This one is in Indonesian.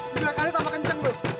dua kali tambah kencang tuh